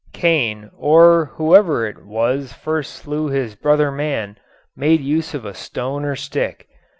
Cain, or whoever it was first slew his brother man, made use of a stone or stick.